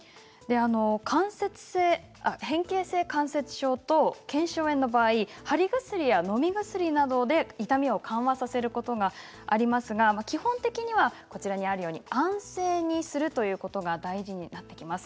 変形性関節症と腱鞘炎の場合、はり薬やのみ薬などで痛みを緩和させることがありますが基本的には安静にするということが大事になってきます。